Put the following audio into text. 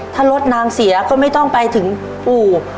ถ้ารถนางเสียก็ไม่ต้องไปถึงปู่